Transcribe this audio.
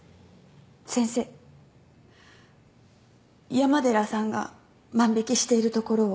山寺さんが万引しているところを。